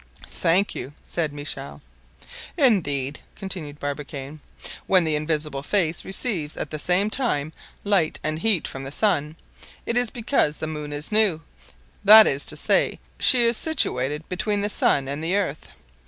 "Thank you," said Michel. "Indeed," continued Barbicane, "when the invisible face receives at the same time light and heat from the sun, it is because the moon is new; that is to say, she is situated between the sun and the earth.